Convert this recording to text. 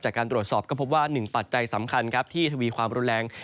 จากการตรวจสอบก็พบว่าหนึ่งปัจจัยสำคัญครับที่ทวีความรุนแรง